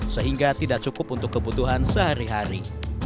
sehingga tidak cukup untuk kebutuhan sehari hari